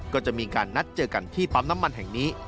ก็จะมีการนัดเจอกันที่ปั๊มน้ำมันแห่งนี้